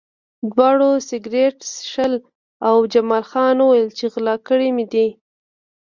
دواړو سګرټ څښل او جمال خان وویل چې غلا کړي مې دي